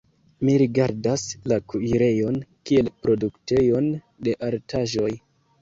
Mi rigardas la kuirejon kiel produktejon de artaĵoj.